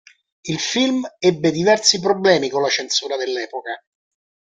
Il film ebbe diversi problemi con la censura dell'epoca.